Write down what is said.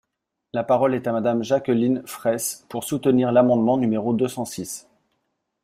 La parole est à Madame Jacqueline Fraysse, pour soutenir l’amendement numéro deux cent six.